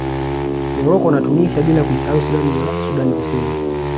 Morocco na Tunisia bila kuisahau Sudan na Sudani Kusini